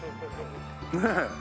ねえ？